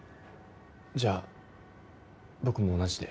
じゃ僕も同じで。